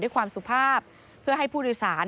ความสุภาพเพื่อให้ผู้โดยสาร